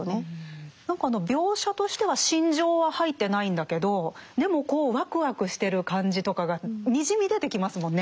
何かあの描写としては心情は入ってないんだけどでもこうワクワクしてる感じとかがにじみ出てきますもんね。